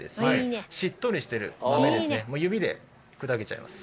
もう指で砕けちゃいます。